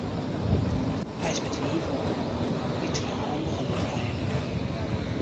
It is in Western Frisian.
Hy is by it wiif wei, dy twa handigen net byinoar.